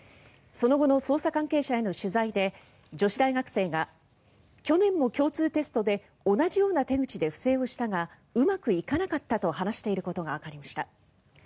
その後の捜査関係者への取材で女子大学生が去年も共通テストで同じような手口で不正をしたがうまくいかなかったと話していることがわかりました。